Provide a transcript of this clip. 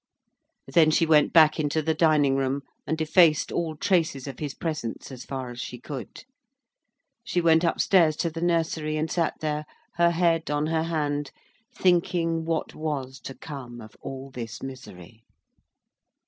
Then she went back into the dining room and effaced all traces of his presence as far as she could. She went upstairs to the nursery and sate there, her head on her hand, thinking what was to come of all this misery.